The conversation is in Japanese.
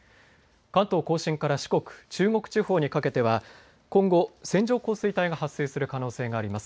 関東甲信から四国、中国地方にかけては今後、線状降水帯が発生する可能性があります。